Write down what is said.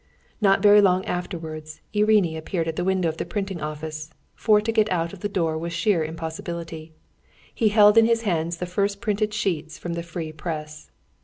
Not very long afterwards Irinyi appeared at the window of the printing office, for to get out of the door was a sheer impossibility. He held in his hands the first printed sheets from the free press.